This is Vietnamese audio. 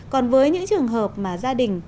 còn với những trường hợp mà gia đình